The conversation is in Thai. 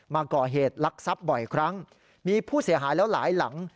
มาก่อเหตุลักษัพบ่อยครั้งมีผู้เสียหายแล้วหลายหลัง